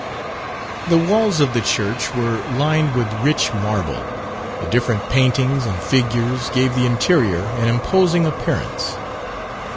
The walls of the church were lined with rich marble. The different paintings and figures, gave the interior an imposing appearance.